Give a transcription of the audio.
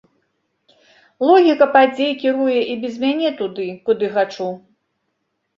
Логіка падзей кіруе і без мяне туды, куды хачу.